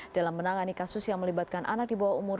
dalam menangani kasus yang melibatkan anak di bawah umur